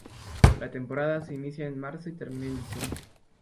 La temporada se inicia en marzo y termina en diciembre.